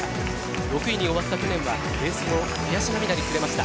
６位に終わった去年はレース後悔し涙にくれました。